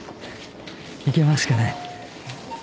行けますかね？